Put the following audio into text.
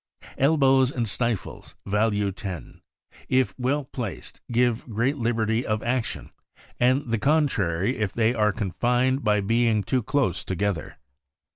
Elbows and stifles (value 10), if well placed, give great liberty of action, and the contrary if they are confined by THE SCOTCH DEERHOUKD. 175 being too close together.